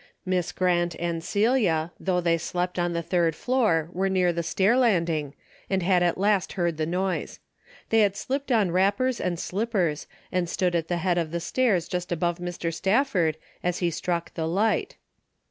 Miss Grant and Celia, though they slept on the third floor, were near the stair landing and had at last heard the noise. They had slipped on wrap pers and slippers and stood at the head of the stairs iust above Mr. Stafford, as he struck the light.